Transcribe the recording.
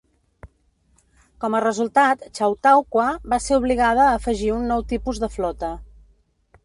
Com a resultat, Chautauqua va ser obligada a afegir un nou tipus de flota.